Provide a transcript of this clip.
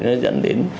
nó dẫn đến